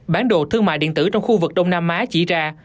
bản đồ thương mại điện tử trong khu vực đông nam á chỉ ra